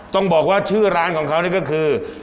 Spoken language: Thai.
ต้องบอกว่าชื่อร้านของเขานี่ก็คือ